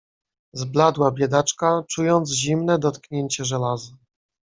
"Zbladła biedaczka, czując zimne dotknięcie żelaza."